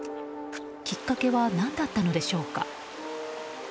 きっかけは何だったのでしょうか。